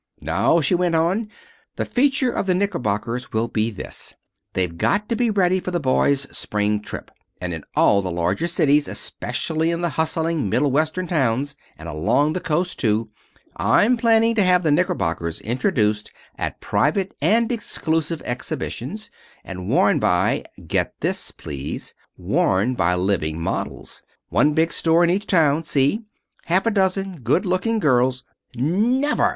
"Now," she went on, "the feature of the knickerbockers will be this: They've got to be ready for the boys' spring trip, and in all the larger cities, especially in the hustling Middle Western towns, and along the coast, too, I'm planning to have the knickerbockers introduced at private and exclusive exhibitions, and worn by get this, please worn by living models. One big store in each town, see? Half a dozen good looking girls " "Never!"